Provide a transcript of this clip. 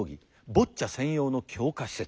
「ボッチャ専用の強化施設」。